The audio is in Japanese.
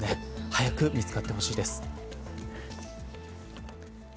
早く見つかってほしいです。